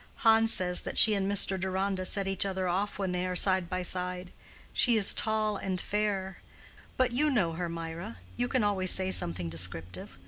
"Hans says that she and Mr. Deronda set each other off when they are side by side. She is tall and fair. But you know her, Mirah—you can always say something descriptive.